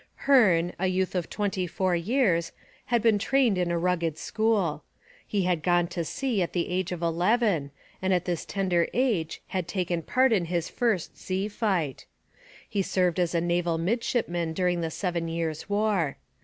Hearne, a youth of twenty four years, had been trained in a rugged school. He had gone to sea at the age of eleven and at this tender age had taken part in his first sea fight. He served as a naval midshipman during the Seven Years' War.